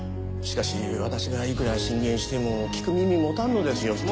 しかし私がいくら進言しても聞く耳持たんのですよ。